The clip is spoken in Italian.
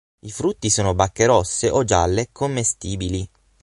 I frutti sono bacche rosse o gialle, commestibili.